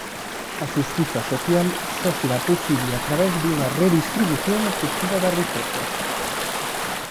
A xustiza social só será posible a través dunha redistribución efectiva da riqueza.